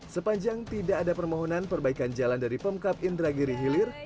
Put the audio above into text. sepanjang tidak ada permohonan perbaikan jalan dari pemkap indragiri hilir